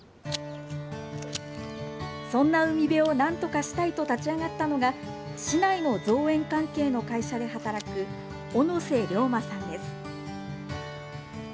そんな海辺をなんとかしたいと立ち上がったのが、市内の造園関係の会社で働く、小野瀬竜馬さんです。